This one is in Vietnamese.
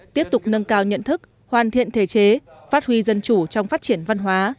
tiếp tục nâng cao nhận thức hoàn thiện thể chế phát huy dân chủ trong phát triển văn hóa